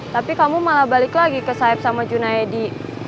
tapi kamu malah balik lagi ke sahab sama junaedi